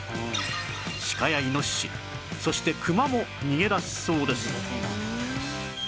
シカやイノシシそしてクマも逃げ出すそうです